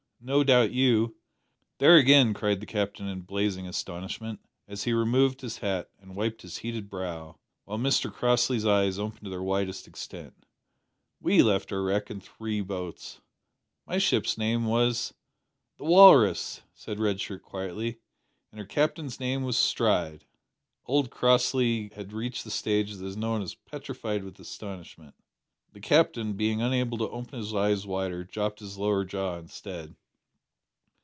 No doubt you " "There again!" cried the Captain in blazing astonishment, as he removed his hat and wiped his heated brow, while Mr Crossley's eyes opened to their widest extent. "We left our wreck in three boats! My ship's name was " "The Walrus," said Red Shirt quietly, "and her Captain's name was Stride!" Old Crossley had reached the stage that is known as petrified with astonishment. The Captain, being unable to open his eyes wider, dropped his lower jaw instead.